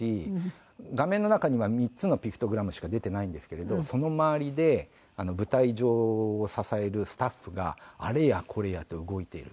画面の中には３つのピクトグラムしか出てないんですけれどその周りで舞台上を支えるスタッフがあれやこれやと動いてる。